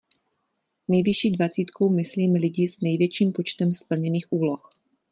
Nejvyšší dvacítkou myslím lidi s největším počtem splněných úloh.